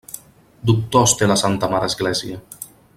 Doctors té la santa mare església.